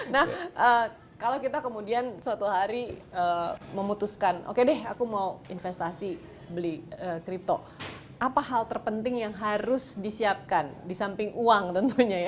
nah kalau kita kemudian suatu hari memutuskan oke deh aku mau investasi beli crypto apa hal terpenting yang harus disiapkan di samping uang tentunya ya